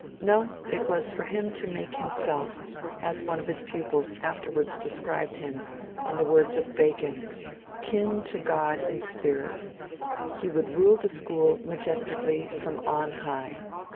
No, it was for him to make himself, as one of his pupils afterwards described him, in the words of Bacon, 'kin to God in spirit'; he would rule the school majestically from on high.